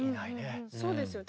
そうですよ。